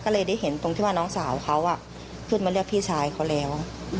ก็เลยได้เห็นตรงที่ว่าน้องสาวเขาขึ้นมาเรียกพี่ชายเขาแล้ว